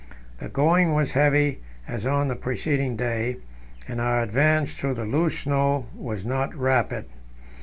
The going was heavy, as on the preceding day, and our advance through the loose snow was not rapid.